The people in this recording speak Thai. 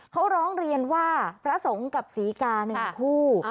เขาร้องเรียนว่าพระสงฆ์กับศรีกา๑คู่